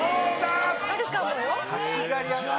あるかも？